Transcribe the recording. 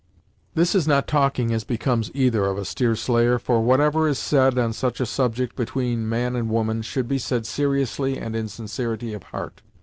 "This is not talking as becomes either of us, Deerslayer, for whatever is said on such a subject, between man and woman, should be said seriously and in sincerity of heart.